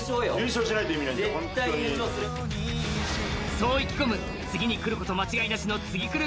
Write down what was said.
そう意気込む次にくること間違いなしのツギクル